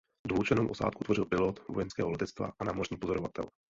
Dvoučlennou osádku tvořil pilot vojenského letectva a námořní pozorovatel.